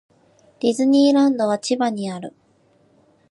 ディズニーランドは千葉にある